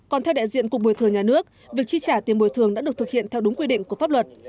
còn theo đại diện cục bồi thường nhà nước việc chi trả tiền bồi thường đã được thực hiện theo đúng quy định của pháp luật